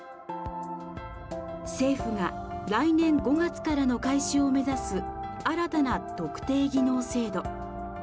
政府が来年５月からの開始を目指す新たな特定技能制度。